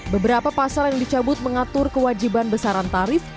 beberapa pasal yang dicabut mengatur kewajiban besaran tarif